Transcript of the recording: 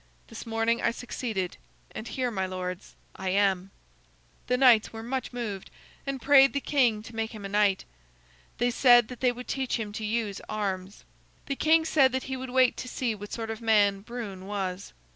This morning I succeeded, and here, my lords, I am." The knights were much moved and prayed the king to make him a knight. They said that they would teach him to use arms. The king said that he would wait to see what sort of man Brune was.